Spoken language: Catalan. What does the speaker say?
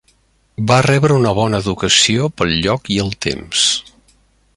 Va rebre una bona educació pel lloc i el temps.